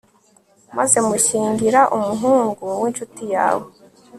maze mushyingira umuhungu w'incuti yawe